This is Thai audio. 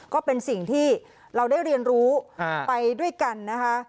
ก็เป็นสิ่งที่เราได้เรียนรู้ไปด้วยกันนะคะ